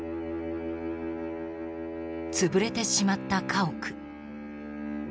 潰れてしまった家屋。